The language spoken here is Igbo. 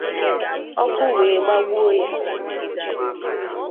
ọkụ wee gbagbuo ya.